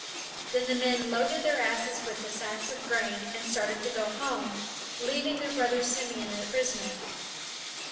Then the men loaded their asses with the sacks of grain, and started to go home, leaving their brother Simeon a prisoner.